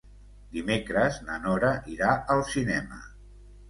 Dimecres na Nora irà al cinema.